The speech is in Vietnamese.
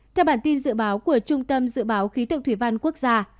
theo bản tin dự báo của trung tâm dự báo khí tượng thủy văn quốc gia